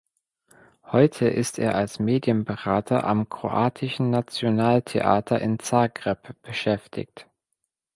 Heute ist er als Medienberater am kroatischen Nationaltheater in Zagreb beschäftigt.